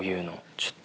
ちょっと。